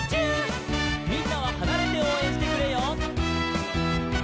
「みんなははなれておうえんしてくれよ」